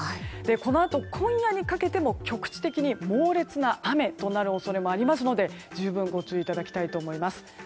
このあと、今夜にかけても局地的に猛烈な雨となる恐れがありますので十分ご注意いただきたいと思います。